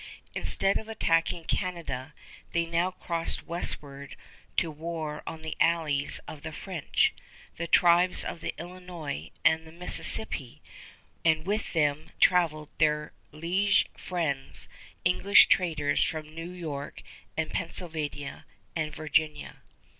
Instead of attacking Canada they now crossed westward to war on the allies of the French, the tribes of the Illinois and the Mississippi; and with them traveled their liege friends, English traders from New York and Pennsylvania and Virginia.